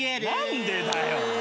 何でだよ！